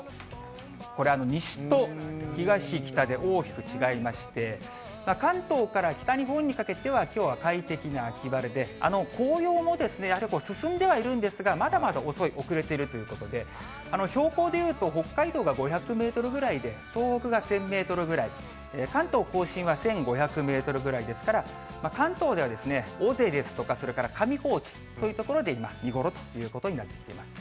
これ、西と東、北で大きく違いまして、関東から北日本にかけてはきょうは快適な秋晴れで、紅葉もやはり進んではいるんですが、まだまだ遅い、遅れているということで、標高でいうと北海道が５００メートルぐらいで、東北が１０００メートルぐらい、関東甲信は１５００メートルぐらいですから、関東では尾瀬ですとか、それから上高地、そういう所で見頃ということになってきています。